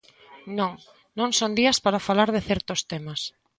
Non, non son días para falar de certos temas.